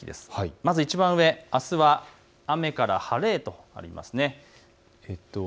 まずいちばん上、あすは雨から晴れへとなっています。